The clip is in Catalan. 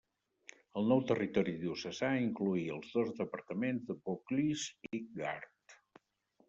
El nou territori diocesà incloïa els dos departaments de Vaucluse i Gard.